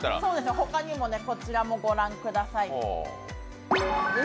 他にもね、こちらもご覧ください。